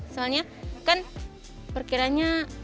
soalnya kan perkiranya